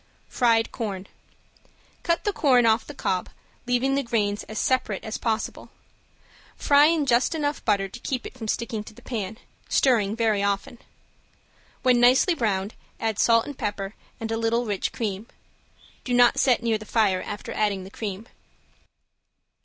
~FRIED CORN~ Cut the corn off the cob, leaving the grains as separate as possible. Fry in just enough butter to keep it from sticking to the pan, stirring very often. When nicely browned add salt and pepper and a little rich cream. Do not set near the fire after adding the cream.